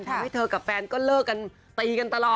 ทำให้เธอกับแฟนก็เลิกกันตีกันตลอด